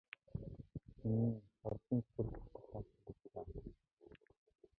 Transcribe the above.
Энэ нь маш хурдан цөхрөл гутралаар солигдлоо.